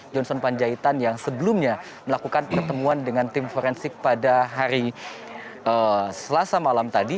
johnson panjaitan yang sebelumnya melakukan pertemuan dengan tim forensik pada hari selasa malam tadi